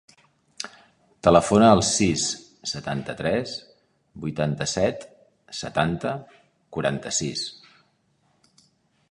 Telefona al sis, setanta-tres, vuitanta-set, setanta, quaranta-sis.